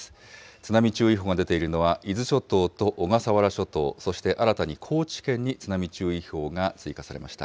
津波注意報が出ているのは、伊豆諸島と小笠原諸島、そして新たに高知県に津波注意報が追加されました。